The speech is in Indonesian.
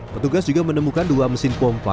petugas juga menemukan dua mesin pompa